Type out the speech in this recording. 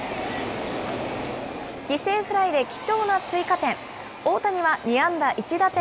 犠牲フライで貴重な追加点。